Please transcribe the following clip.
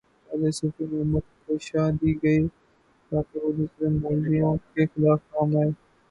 پہلے صوفی محمد کو شہ دی گئی تاکہ وہ دوسرے مولویوں کے خلاف کام آئیں۔